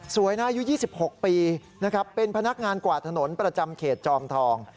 สวยนะอายุ๒๖ปีเป็นพนักงานกวาดถนนประจำเขตจอมทอง